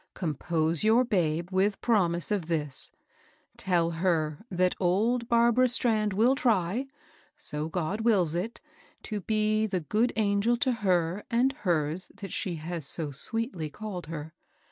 Compose your babe with promise of this. Tell her that old Barbara Strand will try, so God wills it, to be the good angel to her and hers that she has so sweetly called her.